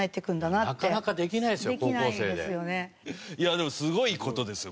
でもすごい事ですよ